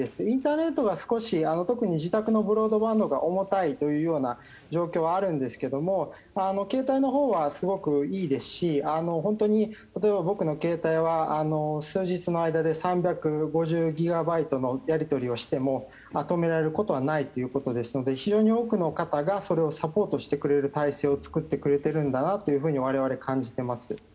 インターネットが少し自宅のブロードバンドが重たいというような状況はあるんですけれども携帯のほうはすごくいいですし例えば、僕の携帯は数日の間で３５９ギガバイトのやり取りをしても止められることはないということですので非常に多くの方がそれをサポートしてくれる体制を作ってくれているんだなと我々、感じています。